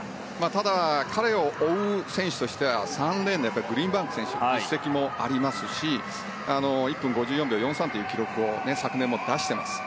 ただ彼を追う選手としては３レーンのグリーンバンク選手実績もありますし１分５４秒４３という記録を昨年も出しています。